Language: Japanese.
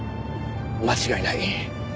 間違いない。